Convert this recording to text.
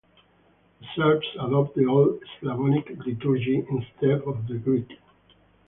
The Serbs adopt the Old Slavonic liturgy instead of the Greek.